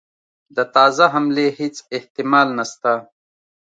د تازه حملې هیڅ احتمال نسته.